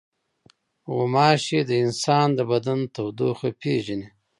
غوماشې د انسان د بدن تودوخه پېژني.